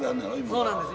そうなんです